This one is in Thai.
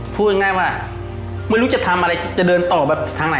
พูดง่ายว่าไม่รู้จะทำอะไรจะเดินต่อแบบทางไหน